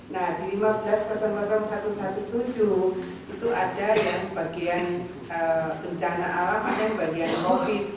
nah di satu lima satu satu tujuh itu ada yang bagian pencana alam dan bagian covid